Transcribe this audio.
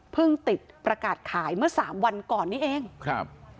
ติดประกาศขายเมื่อสามวันก่อนนี้เองครับ